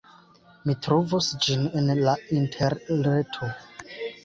Mi trovos ĝin en la Interreto.